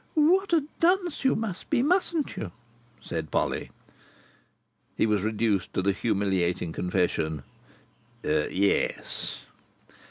"What a dunce you must be, mustn't you?" said Polly. He was reduced to the humiliating confession: "Yes."